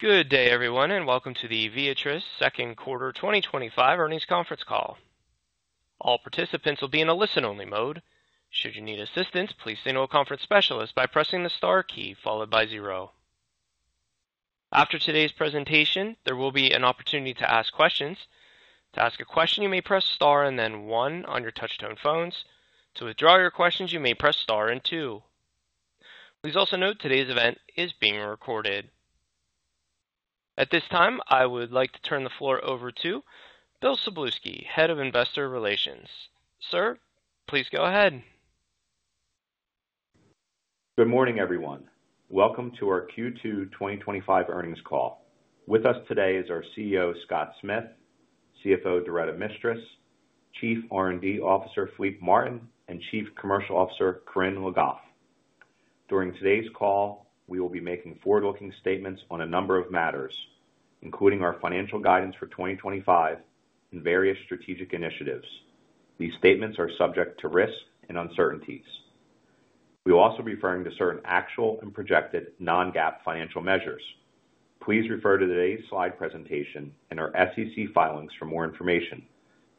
Good day, everyone, and welcome to the Viatris Second Quarter 2025 Earnings Conference Call. All participants will be in a listen-only mode. Should you need assistance, please say to a conference specialist by pressing the star key followed by zero. After today's presentation, there will be an opportunity to ask questions. To ask a question, you may press star and then one on your touch-tone phones. To withdraw your questions, you may press star and two. Please also note today's event is being recorded. At this time, I would like to turn the floor over to Bill Szablewski, Head of Investor Relations. Sir, please go ahead. Good morning, everyone. Welcome to our Q2 2025 earnings call. With us today is our CEO, Scott Smith, CFO, Doretta Mistras, Chief R&D Officer, Philippe Martin, and Chief Commercial Officer, Corinne Le Goff. During today's call, we will be making forward-looking statements on a number of matters, including our financial guidance for 2025 and various strategic initiatives. These statements are subject to risk and uncertainties. We will also be referring to certain actual and projected non-GAAP financial measures. Please refer to today's slide presentation and our SEC filings for more information,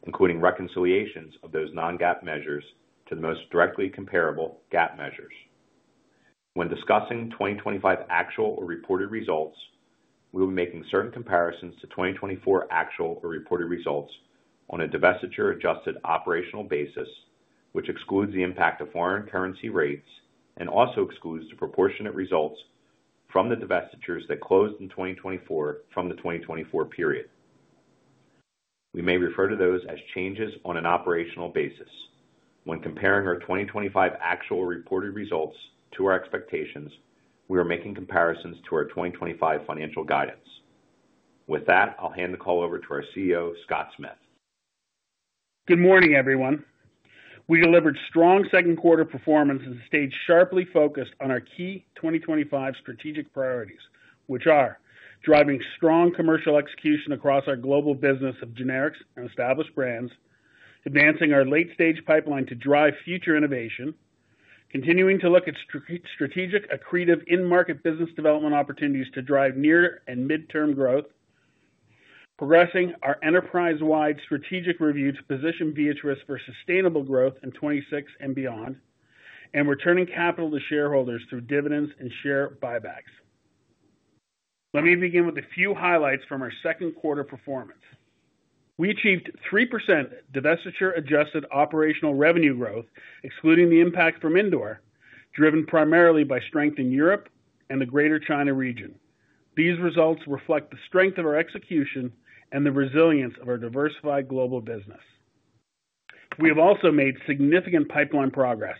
including reconciliations of those non-GAAP measures to the most directly comparable GAAP measures. When discussing 2025 actual or reported results, we will be making certain comparisons to 2024 actual or reported results on a divestiture-adjusted operational basis, which excludes the impact of foreign currency rates and also excludes the proportionate results from the divestitures that closed in 2024 from the 2024 period. We may refer to those as changes on an operational basis. When comparing our 2025 actual or reported results to our expectations, we are making comparisons to our 2025 financial guidance. With that, I'll hand the call over to our CEO, Scott Smith. Good morning, everyone. We delivered strong second quarter performance as a stage sharply focused on our key 2025 strategic priorities, which are driving strong commercial execution across our global business of generics and established brands, advancing our late-stage pipeline to drive future innovation, continuing to look at strategic accretive in-market business development opportunities to drive near and mid-term growth, progressing our enterprise-wide strategic review to position Viatris for sustainable growth in 2026 and beyond, and returning capital to shareholders through dividends and share buybacks. Let me begin with a few highlights from our second quarter performance. We achieved 3% divestiture-adjusted operational revenue growth, excluding the impacts from indoor, driven primarily by strength in Europe and the Greater China region. These results reflect the strength of our execution and the resilience of our diversified global business. We have also made significant pipeline progress.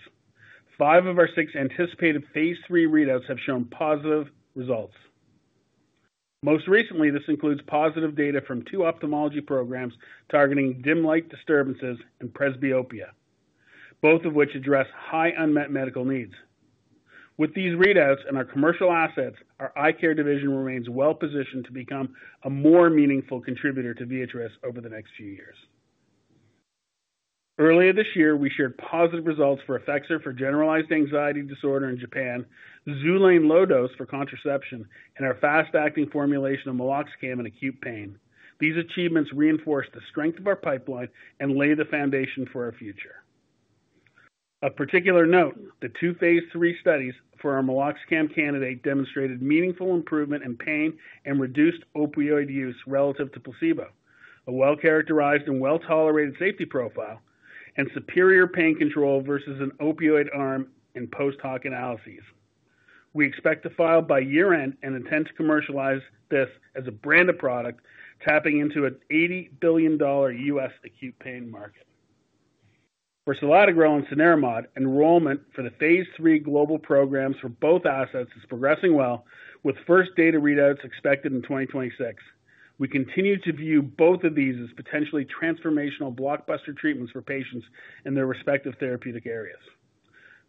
Five of our six anticipated phase three readouts have shown positive results. Most recently, this includes positive data from two ophthalmology programs targeting dim light disturbances and presbyopia, both of which address high unmet medical needs. With these readouts and our commercial assets, our eye care division remains well positioned to become a more meaningful contributor to Viatris over the next few years. Earlier this year, we shared positive results for EFFEXOR for generalized anxiety disorder in Japan, XULANE LO Dose for contraception, and our fast-acting formulation of meloxicam in acute pain. These achievements reinforced the strength of our pipeline and laid the foundation for our future. Of particular note, the two phase three studies for our meloxicam candidate demonstrated meaningful improvement in pain and reduced opioid use relative to placebo, a well-characterized and well-tolerated safety profile, and superior pain control versus an opioid arm in post-hoc analyses. We expect to file by year-end and intend to commercialize this as a branded product, tapping into an $80 billion U.S. acute pain market. For Selatogrel and Cenerimod, enrollment for the phase three global programs for both assets is progressing well, with first data readouts expected in 2026. We continue to view both of these as potentially transformational blockbuster treatments for patients in their respective therapeutic areas.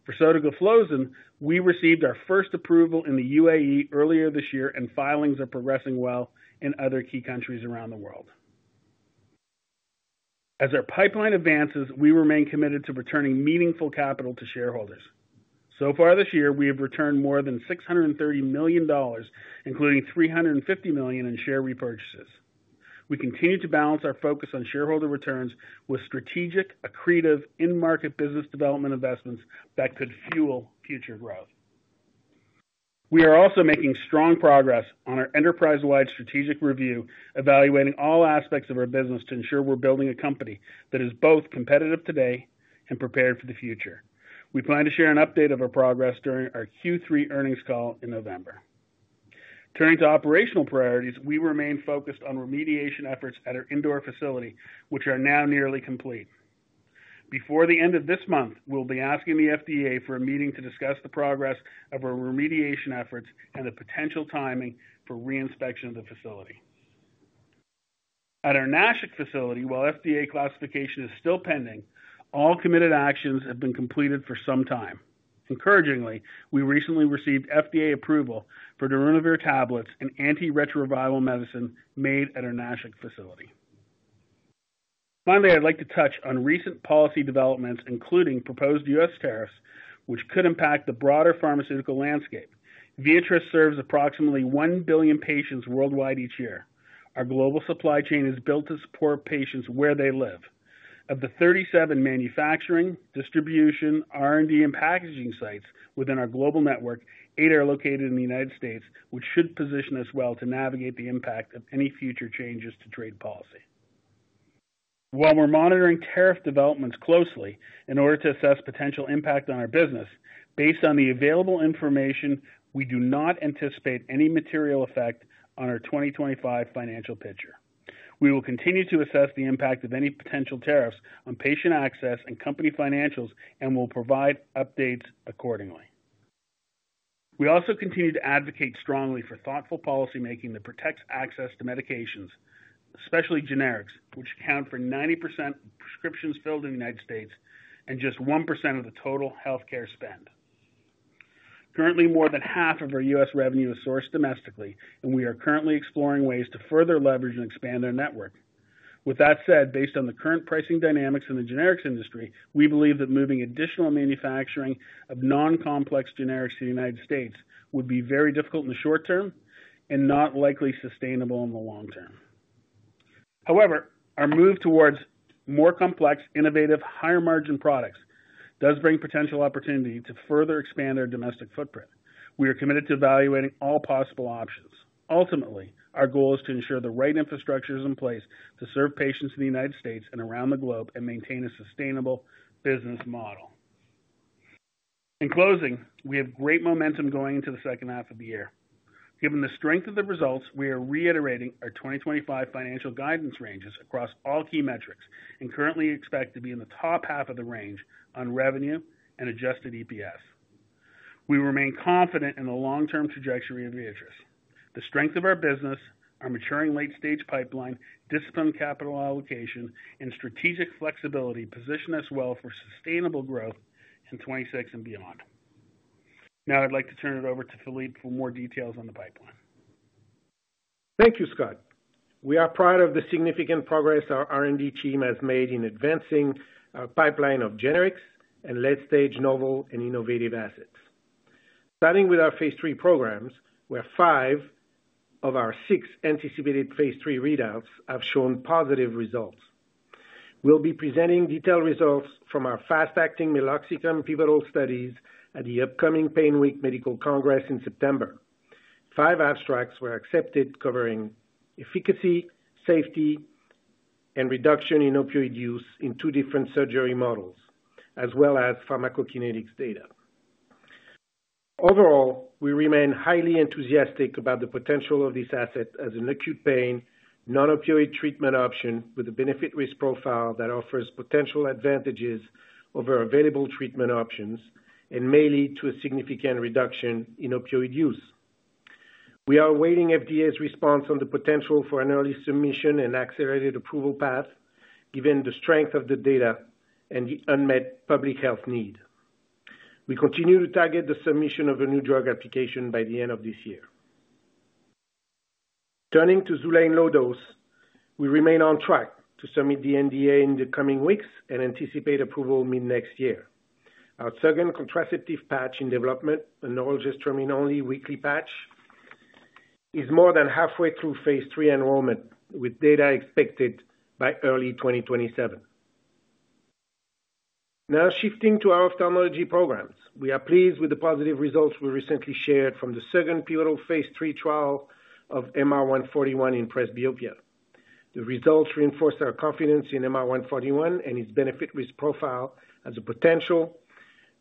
For Sotalgliflozin, we received our first approval in the UAE earlier this year, and filings are progressing well in other key countries around the world. As our pipeline advances, we remain committed to returning meaningful capital to shareholders. So far this year, we have returned more than $630 million, including $350 million in share repurchases. We continue to balance our focus on shareholder returns with strategic accretive in-market business development investments that could fuel future growth. We are also making strong progress on our enterprise-wide strategic review, evaluating all aspects of our business to ensure we're building a company that is both competitive today and prepared for the future. We plan to share an update of our progress during our Q3 earnings call in November. Turning to operational priorities, we remain focused on remediation efforts at our Indore facility, which are now nearly complete. Before the end of this month, we'll be asking the FDA for a meeting to discuss the progress of our remediation efforts and the potential timing for reinspection of the facility. At our Nashik facility, while FDA classification is still pending, all committed actions have been completed for some time. Encouragingly, we recently received FDA approval for Darunavir tablets and antiretroviral medicine made at our Nashik facility. Finally, I'd like to touch on recent policy developments, including proposed U.S. tariffs, which could impact the broader pharmaceutical landscape. Viatris serves approximately 1 billion patients worldwide each year. Our global supply chain is built to support patients where they live. Of the 37 manufacturing, distribution, R&D, and packaging sites within our global network, eight are located in the United States, which should position us well to navigate the impact of any future changes to trade policy. While we're monitoring tariff developments closely in order to assess potential impact on our business, based on the available information, we do not anticipate any material effect on our 2025 financial picture. We will continue to assess the impact of any potential tariffs on patient access and company financials and will provide updates accordingly. We also continue to advocate strongly for thoughtful policy making that protects access to medications, especially generics, which account for 90% of prescriptions filled in the United States and just 1% of the total healthcare spend. Currently, more than half of our U.S. revenue is sourced domestically, and we are currently exploring ways to further leverage and expand our network. With that said, based on the current pricing dynamics in the generics industry, we believe that moving additional manufacturing of non-complex generics to the United States would be very difficult in the short term and not likely sustainable in the long term. However, our move towards more complex, innovative, higher margin products does bring potential opportunity to further expand our domestic footprint. We are committed to evaluating all possible options. Ultimately, our goal is to ensure the right infrastructure is in place to serve patients in the United States and around the globe and maintain a sustainable business model. In closing, we have great momentum going into the second half of the year. Given the strength of the results, we are reiterating our 2025 financial guidance ranges across all key metrics and currently expect to be in the top half of the range on revenue and adjusted EPS. We remain confident in the long-term trajectory of Viatris. The strength of our business, our maturing late-stage pipeline, discipline capital allocation, and strategic flexibility position us well for sustainable growth in 2026 and beyond. Now, I'd like to turn it over to Philippe for more details on the pipeline. Thank you, Scott. We are proud of the significant progress our R&D team has made in advancing our pipeline of generics and late-stage novel and innovative assets. Starting with our phase three programs, where five of our six anticipated phase three readouts have shown positive results. We'll be presenting detailed results from our fast-acting meloxicam pivotal studies at the upcoming Pain Week Medical Congress in September. Five abstracts were accepted covering efficacy, safety, and reduction in opioid use in two different surgery models, as well as pharmacokinetics data. Overall, we remain highly enthusiastic about the potential of this asset as an acute pain non-opioid treatment option with a benefit-risk profile that offers potential advantages over available treatment options and may lead to a significant reduction in opioid use. We are awaiting FDA's response on the potential for an early submission and accelerated approval path given the strength of the data and the unmet public health need. We continue to target the submission of a new drug application by the end of this year. Turning to XULANE LO Dose, we remain on track to submit the NDA in the coming weeks and anticipate approval mid-next year. Our second contraceptive patch in development, a norelgestromin-only weekly patch, is more than halfway through phase three enrollment with data expected by early 2027. Now shifting to our ophthalmology programs, we are pleased with the positive results we recently shared from the second pivotal phase three trial of MR-141 in presbyopia. The results reinforced our confidence in MR-141 and its benefit-risk profile as a potential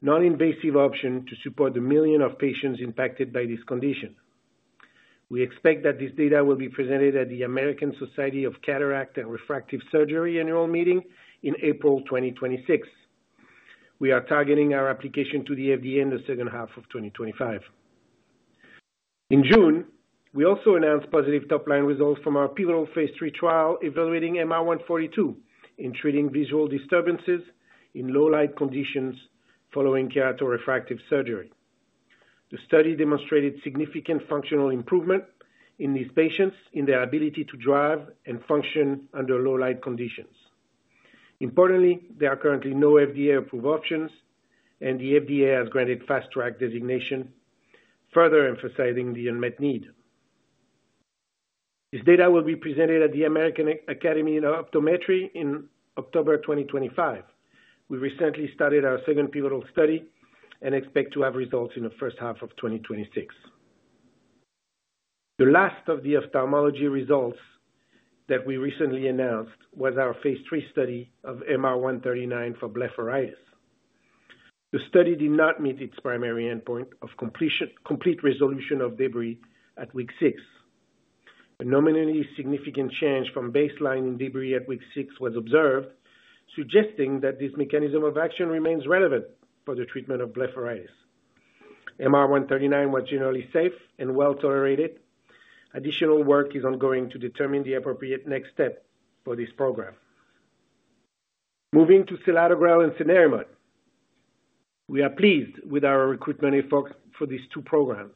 non-invasive option to support the millions of patients impacted by this condition. We expect that this data will be presented at the American Society of Cataract and Refractive Surgery annual meeting in April 2026. We are targeting our application to the FDA in the second half of 2025. In June, we also announced positive top-line results from our pivotal phase three trial evaluating MR-142 in treating visual disturbances in low-light conditions following keratorefractive surgery. The study demonstrated significant functional improvement in these patients in their ability to drive and function under low-light conditions. Importantly, there are currently no FDA-approved options, and the FDA has granted fast-track designation, further emphasizing the unmet need. This data will be presented at the American Academy of Optometry in October 2025. We recently started our second pivotal study and expect to have results in the first half of 2026. The last of the ophthalmology results that we recently announced was our phase three study of MR-139 for blepharitis. The study did not meet its primary endpoint of complete resolution of debris at week six. A nominally significant change from baseline in debris at week six was observed, suggesting that this mechanism of action remains relevant for the treatment of blepharitis. MR-139 was generally safe and well tolerated. Additional work is ongoing to determine the appropriate next step for this program. Moving to Selatogrel and Cenerimod, we are pleased with our recruitment efforts for these two programs.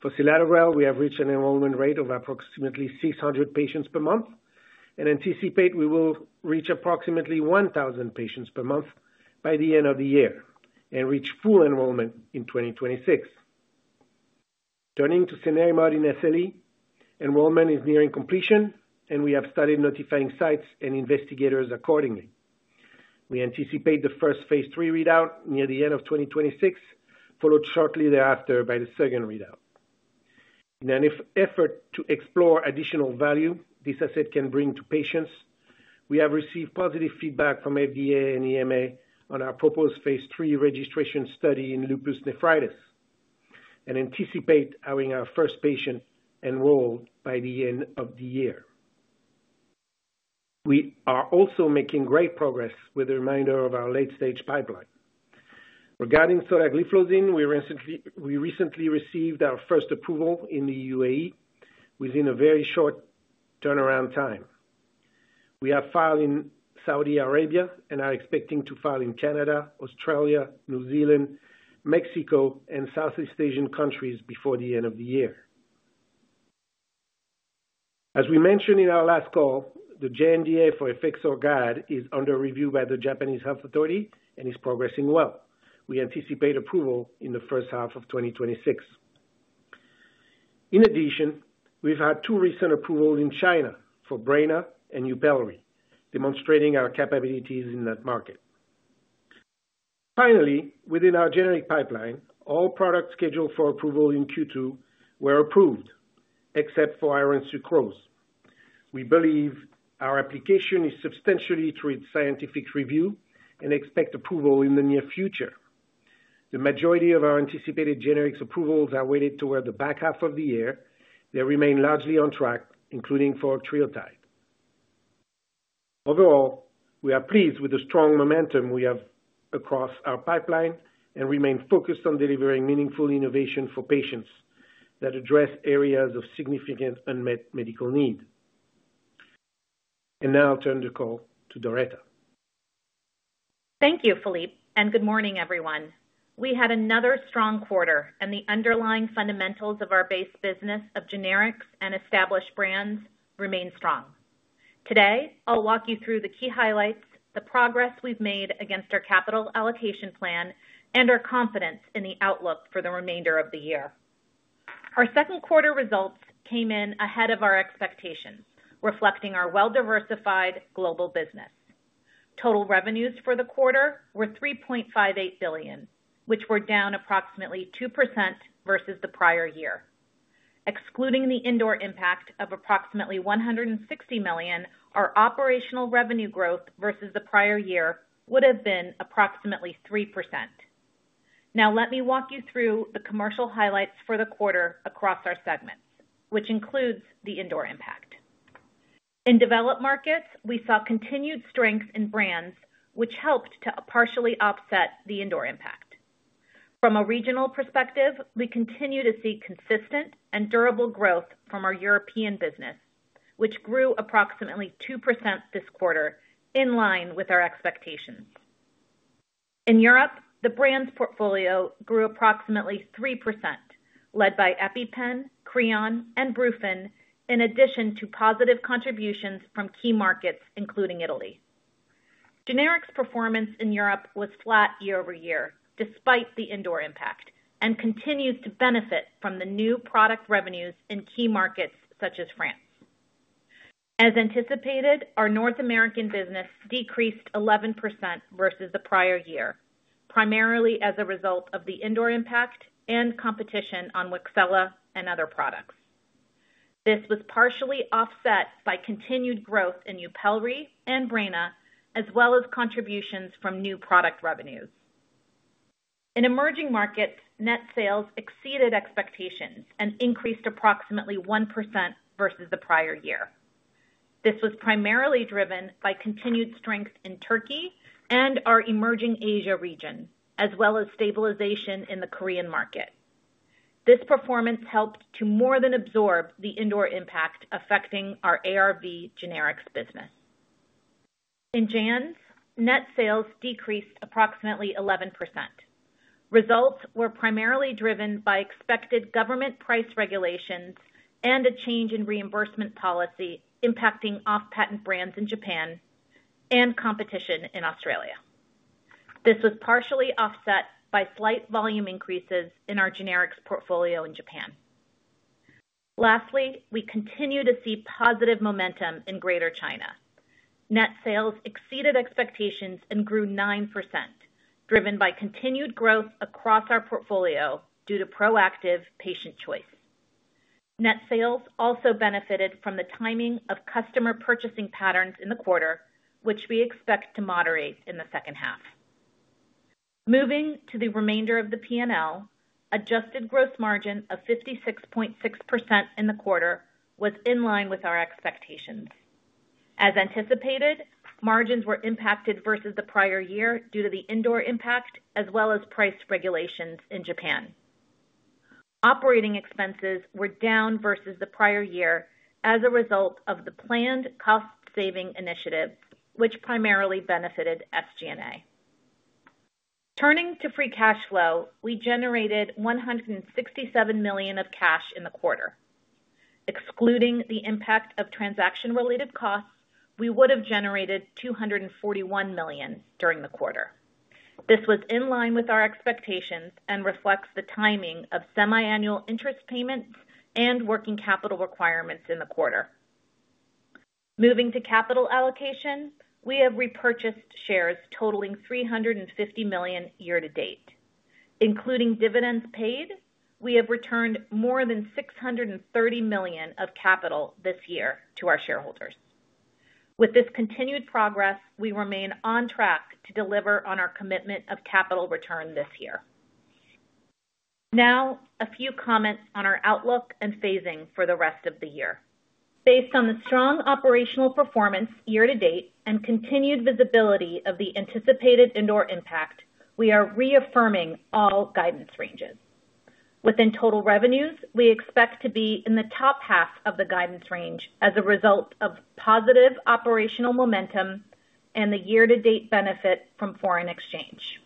For Selatogrel, we have reached an enrollment rate of approximately 600 patients per month and anticipate we will reach approximately 1,000 patients per month by the end of the year and reach full enrollment in 2026. Turning to Cenerimod in SLE, enrollment is nearing completion, and we have started notifying sites and investigators accordingly. We anticipate the first phase three readout near the end of 2026, followed shortly thereafter by the second readout. In an effort to explore additional value this asset can bring to patients, we have received positive feedback from FDA and EMA on our proposed phase three registration study in lupus nephritis and anticipate having our first patient enrolled by the end of the year. We are also making great progress with a reminder of our late-stage pipeline. Regarding Sotagliflozin, we recently received our first approval in the UAE within a very short turnaround time. We have filed in Saudi Arabia and are expecting to file in Canada, Australia, New Zealand, Mexico, and Southeast Asian countries before the end of the year. As we mentioned in our last call, the JNDA for EFFEXOR is under review by the Japanese Health Authority and is progressing well. We anticipate approval in the first half of 2026. In addition, we've had two recent approvals in China for BREYNA and YUPELRI, demonstrating our capabilities in that market. Finally, within our generic pipeline, all products scheduled for approval in Q2 were approved, except for iron sucrose. We believe our application is substantially through its scientific review and expect approval in the near future. The majority of our anticipated generics approvals are weighted toward the back half of the year. They remain largely on track, including for octreotide. Overall, we are pleased with the strong momentum we have across our pipeline and remain focused on delivering meaningful innovation for patients that address areas of significant unmet medical need. I will now turn the call to Doretta. Thank you, Philippe, and good morning, everyone. We had another strong quarter, and the underlying fundamentals of our base business of generics and established brands remain strong. Today, I'll walk you through the key highlights, the progress we've made against our capital allocation plan, and our confidence in the outlook for the remainder of the year. Our second quarter results came in ahead of our expectations, reflecting our well-diversified global business. Total revenues for the quarter were $3.58 billion, which were down approximately 2% versus the prior year. Excluding the indoor impact of approximately $160 million, our operational revenue growth versus the prior year would have been approximately 3%. Now, let me walk you through the commercial highlights for the quarter across our segment, which includes the indoor impact. In developed markets, we saw continued strength in brands, which helped to partially offset the indoor impact. From a regional perspective, we continue to see consistent and durable growth from our European business, which grew approximately 2% this quarter, in line with our expectations. In Europe, the brands portfolio grew approximately 3%, led by EpiPen, Creon, and Brufen, in addition to positive contributions from key markets, including Italy. Generics performance in Europe was flat year-over-year, despite the indoor impact, and continues to benefit from the new product revenues in key markets such as France. As anticipated, our North American business decreased 11% versus the prior year, primarily as a result of the indoor impact and competition on Wixela and other products. This was partially offset by continued growth in YUPELRI and BREYNA, as well as contributions from new product revenues. In emerging markets, net sales exceeded expectations and increased approximately 1% versus the prior year. This was primarily driven by continued strength in Turkey and our emerging Asia region, as well as stabilization in the Korean market. This performance helped to more than absorb the indoor impact affecting our ARV generics business. In Japan, net sales decreased approximately 11%. Results were primarily driven by expected government price regulations and a change in reimbursement policy impacting off-patent brands in Japan and competition in Australia. This was partially offset by slight volume increases in our generics portfolio in Japan. Lastly, we continue to see positive momentum in Greater China. Net sales exceeded expectations and grew 9%, driven by continued growth across our portfolio due to proactive patient choice. Net sales also benefited from the timing of customer purchasing patterns in the quarter, which we expect to moderate in the second half. Moving to the remainder of the P&L, adjusted gross margin of 56.6% in the quarter was in line with our expectations. As anticipated, margins were impacted versus the prior year due to the indoor impact, as well as price regulations in Japan. Operating expenses were down versus the prior year as a result of the planned cost-saving initiative, which primarily benefited SG&A. Turning to free cash flow, we generated $167 million of cash in the quarter. Excluding the impact of transaction-related costs, we would have generated $241 million during the quarter. This was in line with our expectations and reflects the timing of semiannual interest payments and working capital requirements in the quarter. Moving to capital allocation, we have repurchased shares totaling $350 million year to date. Including dividends paid, we have returned more than $630 million of capital this year to our shareholders. With this continued progress, we remain on track to deliver on our commitment of capital return this year. Now, a few comments on our outlook and phasing for the rest of the year. Based on the strong operational performance year to date and continued visibility of the anticipated indoor impact, we are reaffirming all guidance ranges. Within total revenues, we expect to be in the top half of the guidance range as a result of positive operational momentum and the year-to-date benefit from foreign exchange.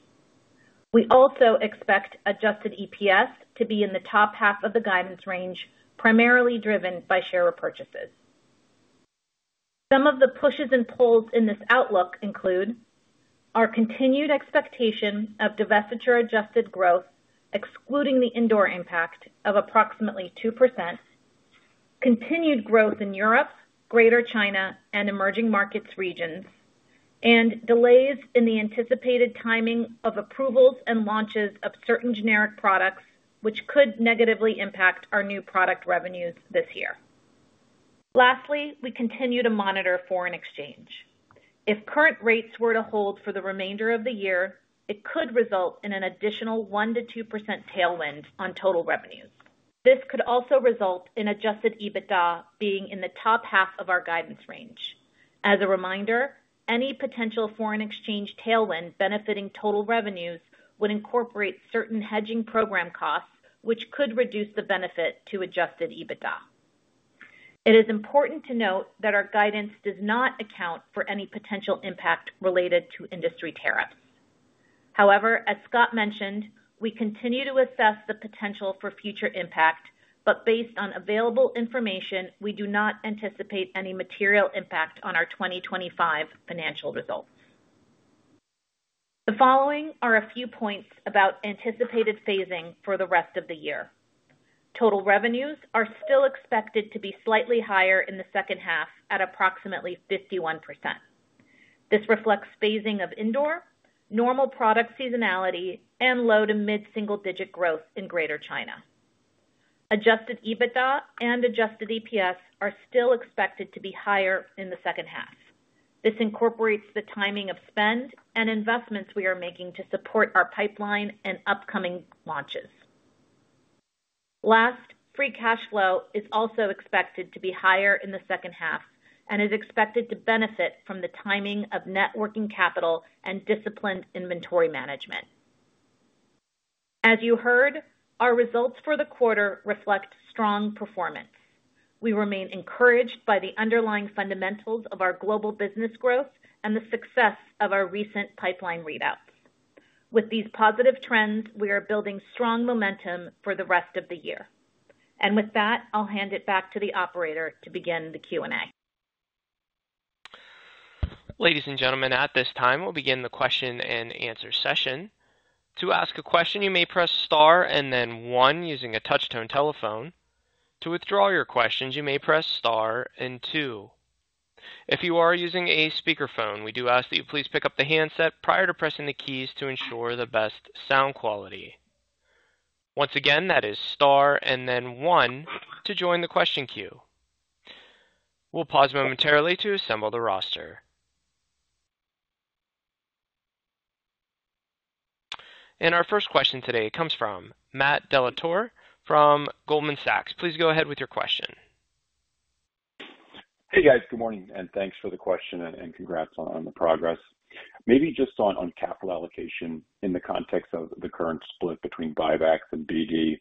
We also expect adjusted EPS to be in the top half of the guidance range, primarily driven by share repurchases. Some of the pushes and pulls in this outlook include our continued expectation of divestiture-adjusted growth, excluding the indoor impact of approximately 2%, continued growth in Europe, Greater China, and emerging markets regions, and delays in the anticipated timing of approvals and launches of certain generic products, which could negatively impact our new product revenues this year. Lastly, we continue to monitor foreign exchange. If current rates were to hold for the remainder of the year, it could result in an additional 1%-2% tailwind on total revenues. This could also result in adjusted EBITDA being in the top half of our guidance range. As a reminder, any potential foreign exchange tailwind benefiting total revenues would incorporate certain hedging program costs, which could reduce the benefit to adjusted EBITDA. It is important to note that our guidance does not account for any potential impact related to industry tariffs. However, as Scott mentioned, we continue to assess the potential for future impact, but based on available information, we do not anticipate any material impact on our 2025 financial results. The following are a few points about anticipated phasing for the rest of the year. Total revenues are still expected to be slightly higher in the second half at approximately 51%. This reflects phasing of indoor, normal product seasonality, and low to mid-single-digit growth in Greater China. Adjusted EBITDA and adjusted EPS are still expected to be higher in the second half. This incorporates the timing of spend and investments we are making to support our pipeline and upcoming launches. Last, free cash flow is also expected to be higher in the second half and is expected to benefit from the timing of networking capital and disciplined inventory management. As you heard, our results for the quarter reflect strong performance. We remain encouraged by the underlying fundamentals of our global business growth and the success of our recent pipeline readouts. With these positive trends, we are building strong momentum for the rest of the year. With that, I'll hand it back to the operator to begin the Q&A. Ladies and gentlemen, at this time, we'll begin the question and answer session. To ask a question, you may press star and then one using a touch-tone telephone. To withdraw your questions, you may press star and two. If you are using a speakerphone, we do ask that you please pick up the handset prior to pressing the keys to ensure the best sound quality. Once again, that is star and then one to join the question queue. We'll pause momentarily to assemble the roster. Our first question today comes from Matt Dellatorre from Goldman Sachs. Please go ahead with your question. Hey, guys. Good morning, and thanks for the question and congrats on the progress. Maybe just on capital allocation in the context of the current split between buybacks and BD,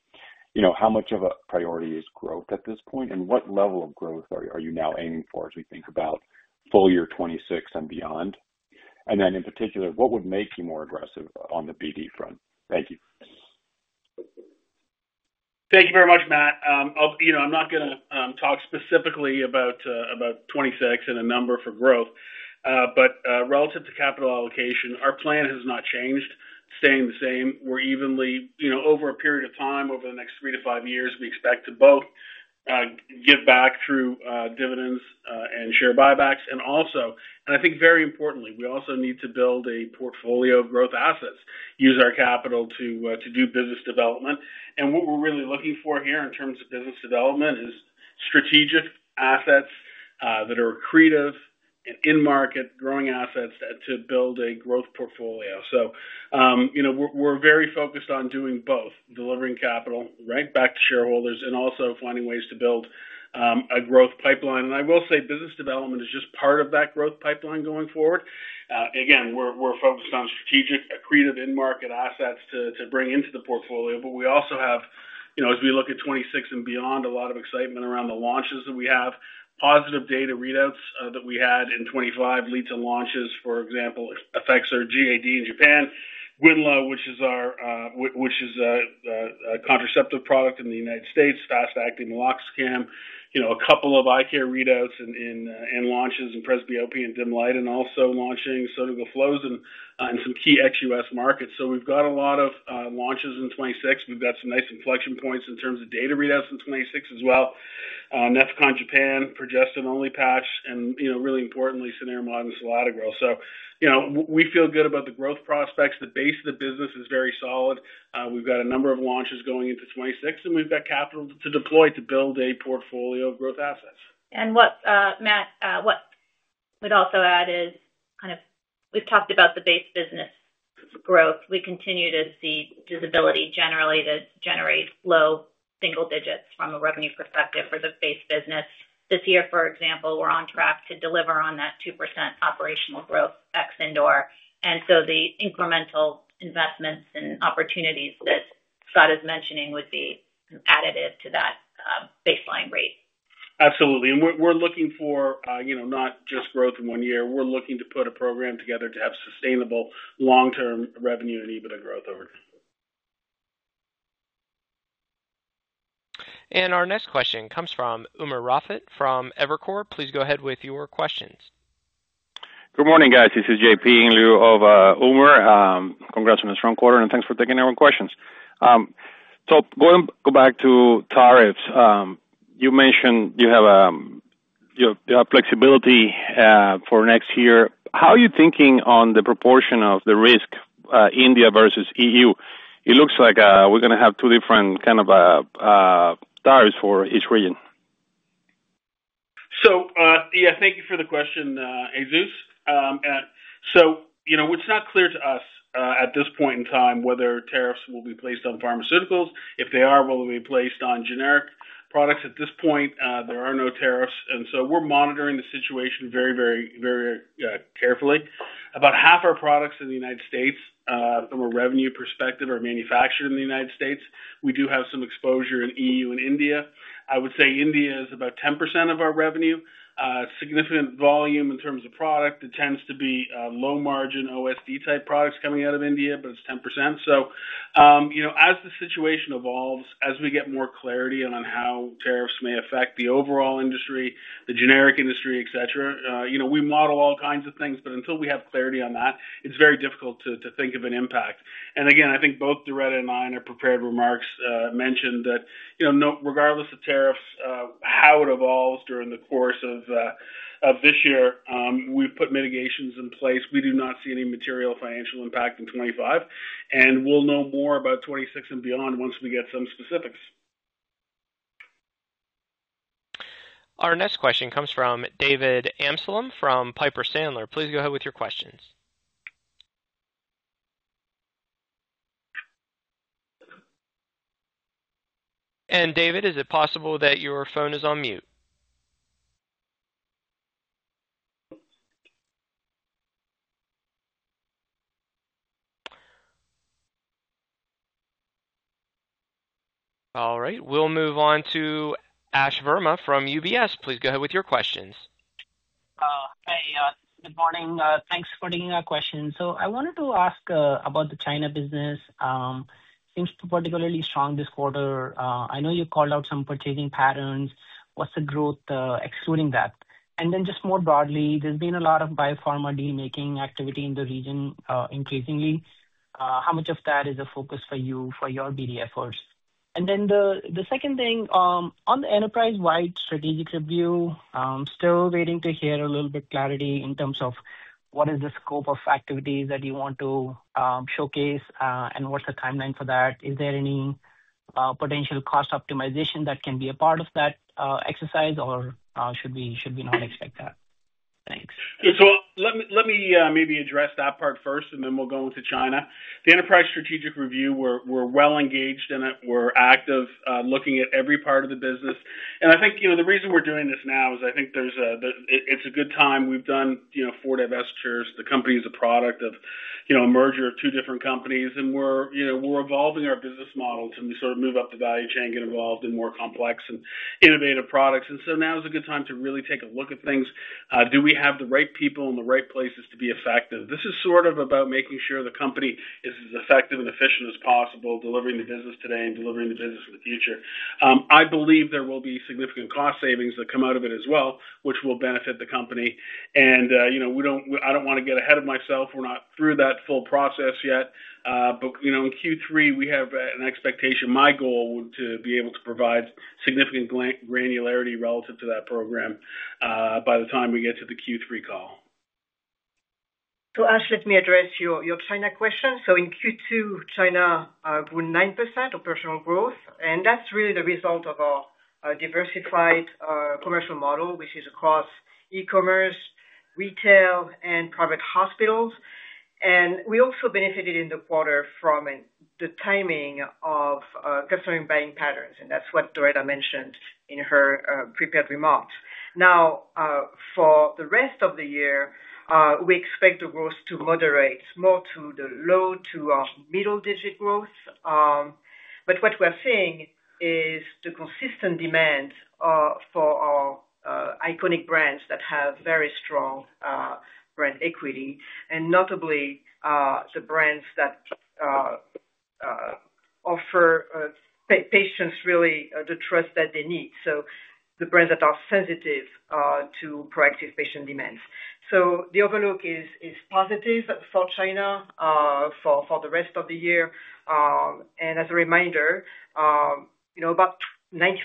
you know how much of a priority is growth at this point and what level of growth are you now aiming for if you think about full year 2026 and beyond? In particular, what would make you more aggressive on the BD front? Thank you. Thank you very much, Matt. You know I'm not going to talk specifically about 2026 and a number for growth. Relative to capital allocation, our plan has not changed, staying the same. We're evenly, over a period of time, over the next three to five years, we expect to both give back through dividends and share buybacks. Also, and I think very importantly, we also need to build a portfolio of growth assets, use our capital to do business development. What we're really looking for here in terms of business development is strategic assets that are accretive and in-market growing assets to build a growth portfolio. We're very focused on doing both, delivering capital right back to shareholders and also finding ways to build a growth pipeline. I will say business development is just part of that growth pipeline going forward. We're focused on strategic accretive in-market assets to bring into the portfolio. We also have, as we look at 2026 and beyond, a lot of excitement around the launches that we have. Positive data readouts that we had in 2025 lead to launches, for example, EFFEXOR GAD in Japan, XULANE LO, which is a contraceptive product in the United States, fast-acting meloxicam, a couple of eye care readouts and launches in presbyopia and dim light, and also launching sotagliflozin in some key ex-U.S. markets. We've got a lot of launches in 2026. We've got some nice inflection points in terms of data readouts in 2026 as well. Nefecon Japan, progestin-only patch, and really importantly, Cenerimod and Selatogrel. We feel good about the growth prospects. The base of the business is very solid. We've got a number of launches going into 2026, and we've got capital to deploy to build a portfolio of growth assets. What we'd also add is we've talked about the base business growth. We continue to see visibility generally to generate low single digits from a revenue perspective for the base business. This year, for example, we're on track to deliver on that 2% operational growth ex-indoor. The incremental investments and opportunities that Scott is mentioning would be competitive to that baseline rate. Absolutely. We are looking for, you know, not just growth in one year. We are looking to put a program together to have sustainable long-term revenue and EBITDA growth over time. Our next question comes from Umer Raffat from Evercore. Please go ahead with your questions. Good morning, guys. This is JP in lieu of Umer. Congrats on a strong quarter, and thanks for taking our questions. Going back to tariffs, you mentioned you have flexibility for next year. How are you thinking on the proportion of the risk India versus EU? It looks like we're going to have two different kind of tariffs for each region. Thank you for the question, [Aizus]. You know, it's not clear to us at this point in time whether tariffs will be placed on pharmaceuticals. If they are, will they be placed on generic products? At this point, there are no tariffs, and we're monitoring the situation very, very, very carefully. About half our products in the United States, from a revenue perspective, are manufactured in the United States. We do have some exposure in Europe and India. I would say India is about 10% of our revenue. Significant volume in terms of product. It tends to be low-margin OSD-type products coming out of India, but it's 10%. As the situation evolves, as we get more clarity on how tariffs may affect the overall industry, the generic industry, et cetera, we model all kinds of things. Until we have clarity on that, it's very difficult to think of an impact. I think both Doretta and I in our prepared remarks mentioned that, regardless of tariffs, how it evolves during the course of this year, we put mitigations in place. We do not see any material financial impact in 2025. We'll know more about 2026 and beyond once we get some specifics. Our next question comes from David Amsellem from Piper Sandler. Please go ahead with your questions. David, is it possible that your phone is on mute? All right. We'll move on to Ash Verma from UBS. Please go ahead with your questions. Hey, good morning. Thanks for taking our question. I wanted to ask about the China business. It seems particularly strong this quarter. I know you called out some purchasing patterns. What's the growth excluding that? More broadly, there's been a lot of biopharma dealmaking activity in the region increasingly. How much of that is a focus for you for your BD efforts? The second thing, on the enterprise-wide strategic review, I'm still waiting to hear a little bit of clarity in terms of what is the scope of activities that you want to showcase and what's the timeline for that? Is there any potential cost optimization that can be a part of that exercise or should we not expect that? Thanks. Let me maybe address that part first and then we'll go into China. The enterprise-wide strategic review, we're well engaged in it. We're actively looking at every part of the business. I think the reason we're doing this now is I think it's a good time. We've done four divestitures. The company is a product of a merger of two different companies. We're evolving our business model to sort of move up the value chain, get involved in more complex and innovative products. Now is a good time to really take a look at things. Do we have the right people in the right places to be effective? This is about making sure the company is as effective and efficient as possible, delivering the business today and delivering the business in the future. I believe there will be significant cost savings that come out of it as well, which will benefit the company. I don't want to get ahead of myself. We're not through that full process yet. In Q3, we have an expectation, my goal, to be able to provide significant granularity relative to that program by the time we get to the Q3 call. Ash, let me address your China question. In Q2, China grew 9% operational growth. That's really the result of our diversified commercial model, which is across e-commerce, retail, and private hospitals. We also benefited in the quarter from the timing of customer buying patterns. That's what Doretta mentioned in her prepared remarks. For the rest of the year, we expect the growth to moderate more to the low to our middle-digit growth. What we're seeing is the consistent demand for our iconic brands that have very strong brand equity, and notably the brands that offer patients really the trust that they need. The brands that are sensitive to proactive patient demands. The outlook is positive for China for the rest of the year. As a reminder, about 95%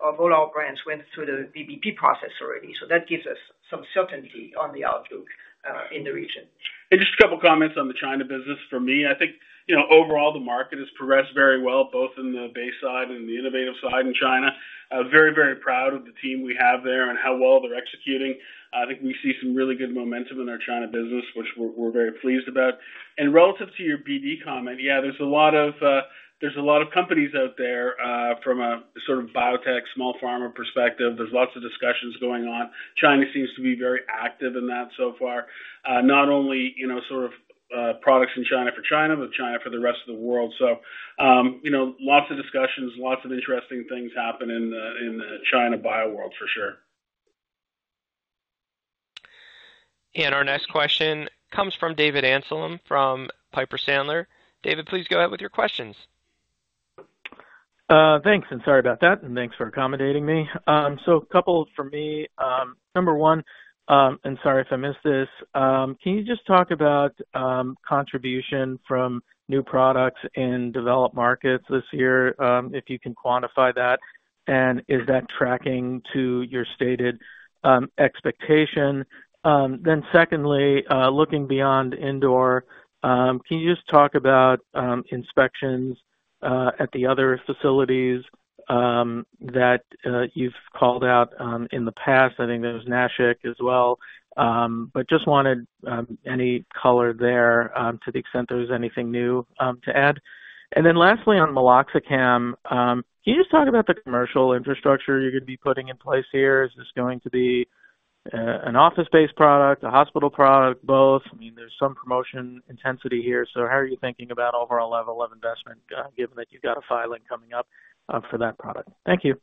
of all our brands went through the BBP process already. That gives us some certainty on the outlook in the region. A couple of comments on the China business for me. Overall, the market has progressed very well, both in the base side and the innovative side in China. I was very, very proud of the team we have there and how well they're executing. We see some really good momentum in our China business, which we're very pleased about. Relative to your BD comment, there's a lot of companies out there from a sort of biotech, small pharma perspective. There are lots of discussions going on. China seems to be very active in that so far, not only products in China for China, but China for the rest of the world. There are lots of discussions, lots of interesting things happening in the China bio world for sure. Our next question comes from David Amsellem from Piper Sandler. David, please go ahead with your questions. Thanks, and sorry about that, and thanks for accommodating me. A couple for me. Number one, and sorry if I missed this, can you just talk about contribution from new products in developed markets this year, if you can quantify that? Is that tracking to your stated expectation? Secondly, looking beyond indoor, can you just talk about inspections at the other facilities that you've called out in the past? I think there was Nashik as well. I just wanted any color there to the extent there was anything new to add. Lastly, on Meloxicam, can you just talk about the commercial infrastructure you're going to be putting in place here? Is this going to be an office-based product, a hospital product, or both? There's some promotion intensity here. How are you thinking about overall level of investment, given that you've got a filing coming up for that product? Thank you.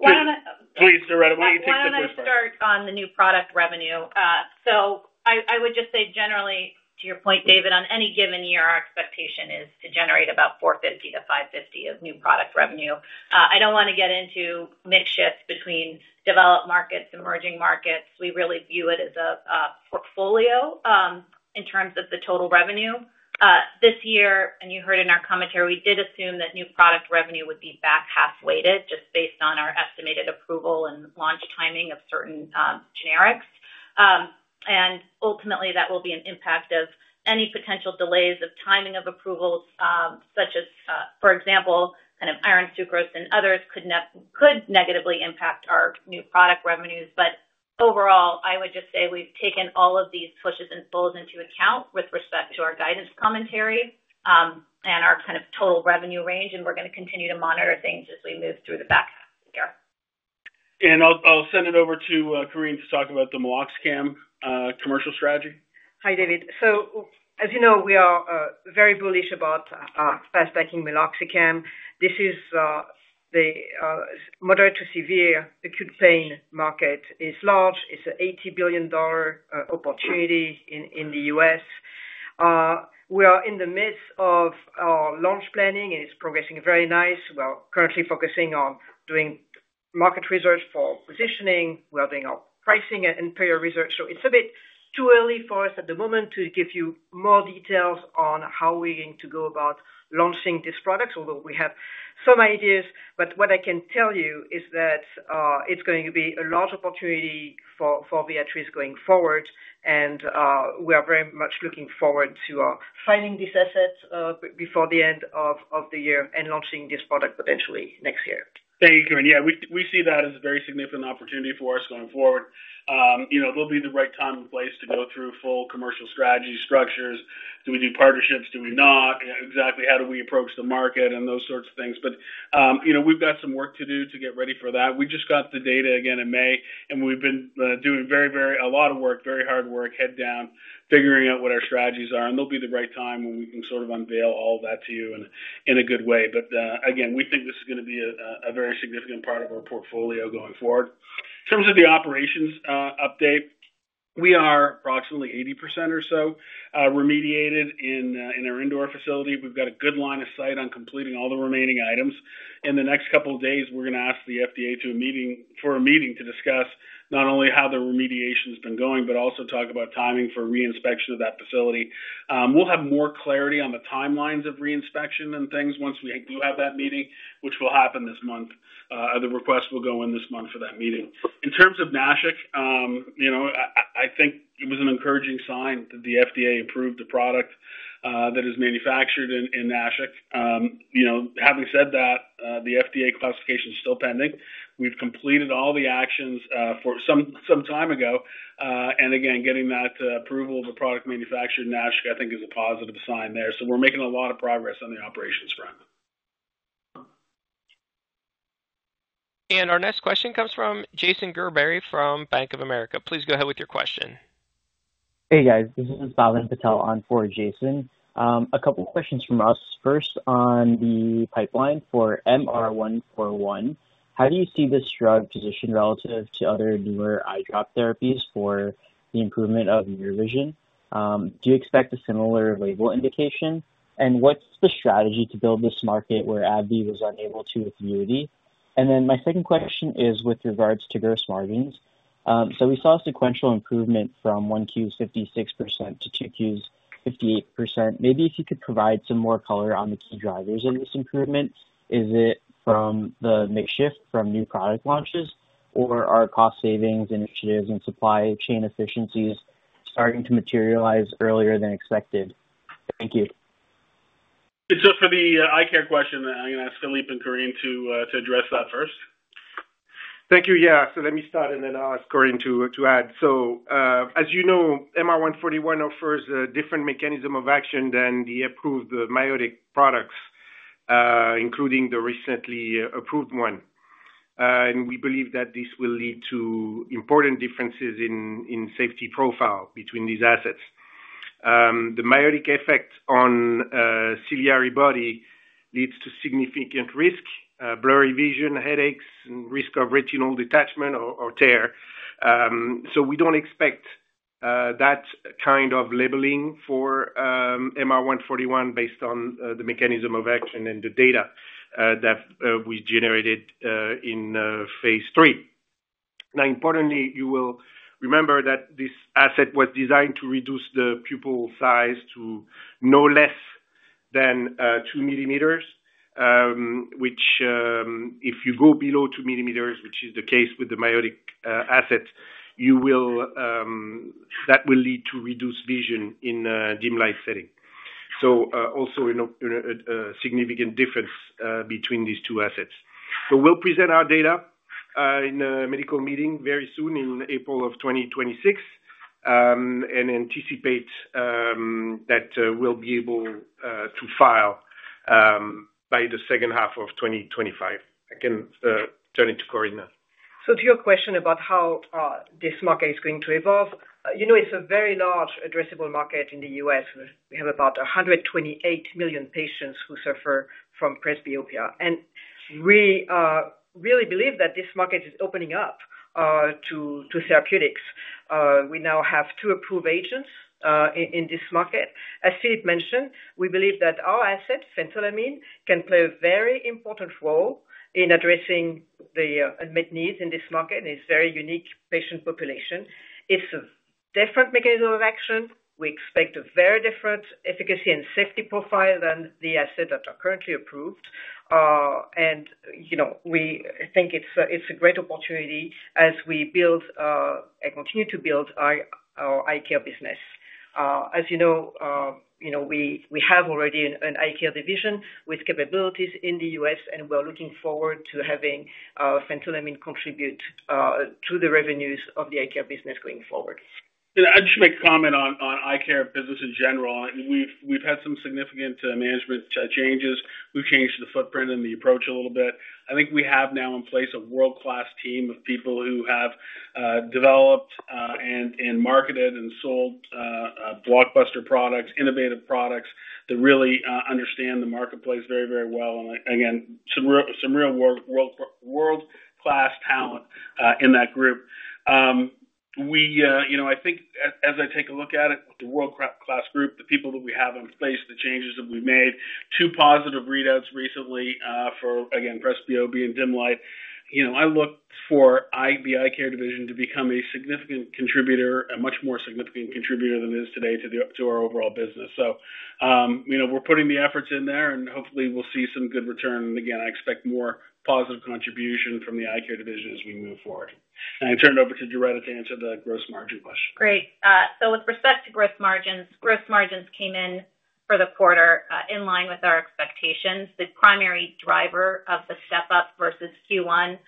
Yeah, please, Doretta, why don't you take the first question? I want to start on the new product revenue. I would just say generally, to your point, David, on any given year, our expectation is to generate about $450 million-$550 million of new product revenue. I don't want to get into makeshifts between developed markets, emerging markets. We really view it as a portfolio in terms of the total revenue. This year, and you heard in our commentary, we did assume that new product revenue would be back half weighted just based on our estimated approval and launch timing of certain generics. Ultimately, that will be an impact of any potential delays of timing of approvals, such as, for example, iron sucrose and others could negatively impact our new product revenues. Overall, I would just say we've taken all of these pushes and pulls into account with respect to our guidance commentary and our total revenue range. We're going to continue to monitor things as we move through the back half of the year. I'll send it over to Corinne to talk about the fast-acting meloxicam commercial strategy. Hi, David. As you know, we are very bullish about fast-acting meloxicam. This is the moderate to severe acute pain market. It's large. It's an $80 billion opportunity in the U.S. We are in the midst of our launch planning, and it's progressing very nicely. We are currently focusing on doing market research for positioning. We are doing our pricing and payer research. It's a bit too early for us at the moment to give you more details on how we're going to go about launching this product, although we have some ideas. What I can tell you is that it's going to be a large opportunity for Viatris going forward. We are very much looking forward to our filing this asset before the end of the year and launching this product potentially next year. Thank you, Corinne. Yeah, we see that as a very significant opportunity for us going forward. There'll be the right time and place to go through full commercial strategy structures. Do we do partnerships? Do we not? Exactly how do we approach the market and those sorts of things? We've got some work to do to get ready for that. We just got the data again in May, and we've been doing a lot of work, very hard work, head down, figuring out what our strategies are. There'll be the right time when we can sort of unveil all of that to you in a good way. We think this is going to be a very significant part of our portfolio going forward. In terms of the operations update, we are approximately 80% or so remediated in our indoor facility. We've got a good line of sight on completing all the remaining items. In the next couple of days, we're going to ask the FDA for a meeting to discuss not only how the remediation has been going, but also talk about timing for reinspection of that facility. We'll have more clarity on the timelines of reinspection and things once we do have that meeting, which will happen this month. The request will go in this month for that meeting. In terms of Nashik, I think it was an encouraging sign that the FDA approved the product that is manufactured in Nashik. Having said that, the FDA classification is still pending. We've completed all the actions some time ago. Getting that approval of the product manufactured in Nashik, I think, is a positive sign there. We're making a lot of progress on the operations front. Our next question comes from Jason Gerber from Bank of America. Please go ahead with your question. Hey, guys. This is Nassal and Patel on for Jason. A couple of questions from us. First, on the pipeline for MR-141. How do you see this drug positioned relative to other newer eye drop therapies for the improvement of near vision? Do you expect a similar label indication? What's the strategy to build this market where AbbVie was unable to with EUV? My second question is with regards to gross margins. We saw a sequential improvement from 1Q 56% to 2Q 58%. Maybe if you could provide some more color on the key drivers of this improvement. Is it from the mix shift from new product launches, or are cost savings initiatives and supply chain efficiencies starting to materialize earlier than expected? Thank you. For the eye care question, I'm going to ask Philippe and Corinne to address that first. Thank you. Yeah. Let me start and then ask Corinne to add. As you know, MR-141 offers a different mechanism of action than the approved myotic products, including the recently approved one. We believe that this will lead to important differences in safety profile between these assets. The myotic effect on the ciliary body leads to significant risk, blurry vision, headaches, and risk of retinal detachment or tear. We do not expect that kind of labeling for MR-141 based on the mechanism of action and the data that we generated in phase three. Importantly, you will remember that this asset was designed to reduce the pupil size to no less than 2 millimeters, which if you go below 2 mm, which is the case with the myotic assets, that will lead to reduced vision in a dim light setting. Also a significant difference between these two assets. We will present our data in a medical meeting very soon in April of 2026 and anticipate that we will be able to file by the second half of 2025. I can turn it to Corinne now. To your question about how this market is going to evolve, you know it's a very large addressable market in the U.S. We have about 128 million patients who suffer from presbyopia. We really believe that this market is opening up to therapeutics. We now have two approved agents in this market. As Philippe mentioned, we believe that our asset, Phentolamine, can play a very important role in addressing the unmet needs in this market and its very unique patient population. It's a different mechanism of action. We expect a very different efficacy and safety profile than the assets that are currently approved. We think it's a great opportunity as we build and continue to build our eye care business. As you know, we have already an eye care division with capabilities in the U.S., and we're looking forward to having phentolamine contribute to the revenues of the eye care business going forward. I just want to make a comment on the eye care business in general. We've had some significant management changes who changed the footprint and the approach a little bit. I think we have now in place a world-class team of people who have developed and marketed and sold blockbuster products, innovative products that really understand the marketplace very, very well. There is some real world-class talent in that group. I think as I take a look at it, the world-class group, the people that we have in place, the changes that we've made, two positive readouts recently for presbyopia and dim light. I look for the eye care division to become a significant contributor, a much more significant contributor than it is today to our overall business. We're putting the efforts in there, and hopefully, we'll see some good return. I expect more positive contribution from the eye care division as we move forward. I turn it over to Doretta to answer the gross margin question. Great. With respect to gross margins, gross margins came in for the quarter in line with our expectations. The primary driver of the step-up versus Q1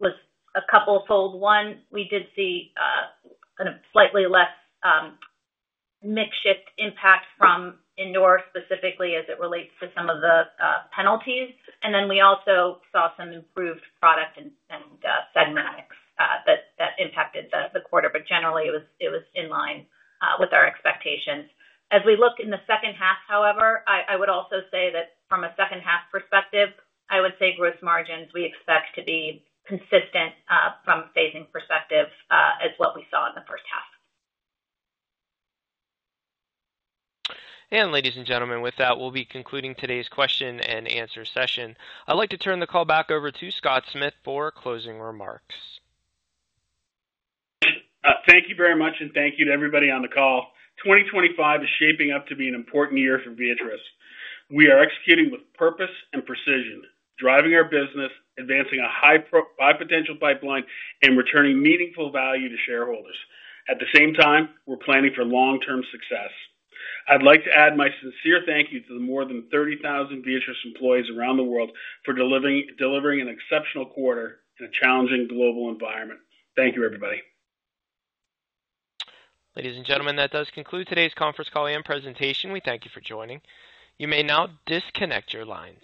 was a couple of fold. One, we did see a slightly less mix shift impact from indoor specifically as it relates to some of the penalties. We also saw some improved product and segment that impacted the quarter. Generally, it was in line with our expectations. As we look in the second half, I would also say that from a second-half perspective, gross margins we expect to be consistent from a phasing perspective as what we saw in the first half. Ladies and gentlemen, with that, we'll be concluding today's question and answer session. I'd like to turn the call back over to Scott Smith for closing remarks. Thank you very much, and thank you to everybody on the call. 2025 is shaping up to be an important year for Viatris. We are executing with purpose and precision, driving our business, advancing a high potential pipeline, and returning meaningful value to shareholders. At the same time, we're planning for long-term success. I'd like to add my sincere thank you to the more than 30,000 Viatris employees around the world for delivering an exceptional quarter in a challenging global environment. Thank you, everybody. Ladies and gentlemen, that does conclude today's conference call and presentation. We thank you for joining. You may now disconnect your line.